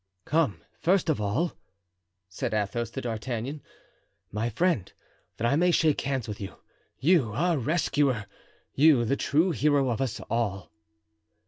"Come, first of all," said Athos to D'Artagnan, "my friend, that I may shake hands with you—you, our rescuer—you, the true hero of us all."